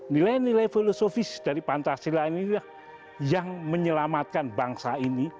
nilai nilai filosofis dari pancasila ini yang menyelamatkan bangsa ini